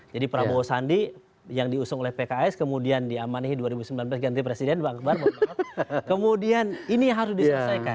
jadi prabowo sandi yang diusung oleh pks kemudian diamani dua ribu sembilan belas ganti presiden kemudian ini harus diselesaikan